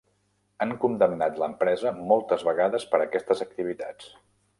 Han condemnat l'empresa moltes vegades per aquestes activitats.